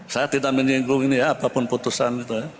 saya tidak menyinggung ini ya apapun putusan itu ya